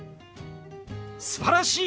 すばらしい！